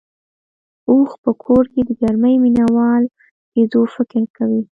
اوښ په کور کې د ګرمۍ مينه وال کېدو فکر کوي.